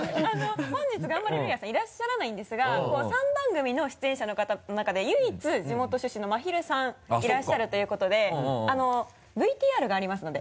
本日ガンバレルーヤさんいらっしゃらないんですが３番組の出演者の方の中で唯一地元出身のまひるさんいらっしゃるということでＶＴＲがありますので。